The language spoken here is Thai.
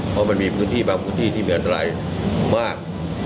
เพราะมันมีพื้นที่บางพื้นที่ที่มีอันตรายมาก